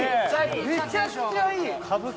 これめちゃくちゃいい！